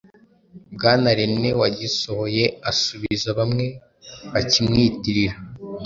Bwana René wagisohoye asubiza bamwe bakimwitirira